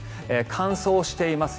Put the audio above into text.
乾燥しています